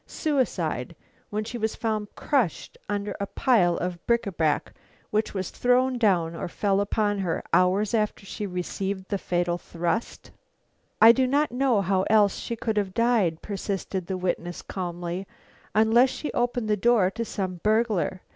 Suicide! when she was found crushed under a pile of bric à brac, which was thrown down or fell upon her hours after she received the fatal thrust!" "I do not know how else she could have died," persisted the witness, calmly, "unless she opened the door to some burglar.